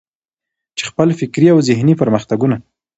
چې خپل فکري او ذهني پرمختګونه.